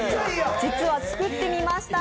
実は作ってみました。